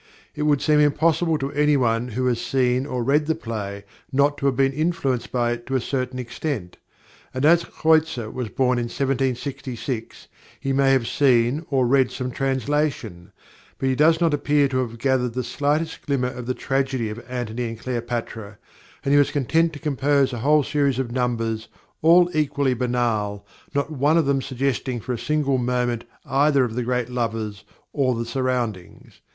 It would seem impossible to anyone who has seen or read the play not to have been influenced by it to a certain extent, and as Kreutzer was born in 1766 he may have seen or read some translation; but he does not appear to have gathered the slightest glimmer of the tragedy of Antony and Cleopatra, and he was content to compose a whole series of numbers, all equally banal, not one of them suggesting for a single moment either of the great lovers or the surroundings.